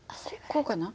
こうかな？